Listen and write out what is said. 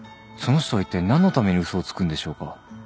その人はいったい何のために嘘をつくんでしょうか？